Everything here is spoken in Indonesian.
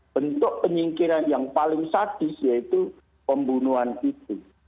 bentuk penyingkiran yang paling sadis yaitu pembunuhan itu